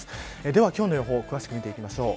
では今日の予報詳しく見ていきましょう。